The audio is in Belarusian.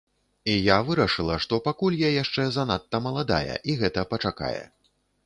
І я вырашыла, што пакуль я яшчэ занадта маладая, і гэта пачакае.